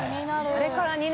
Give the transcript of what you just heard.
あれから２年。